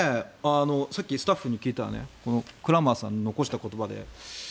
さっきスタッフに聞いたらこのクラマーさんの残した言葉で。